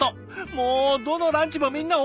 もうどのランチもみんなおいしそう！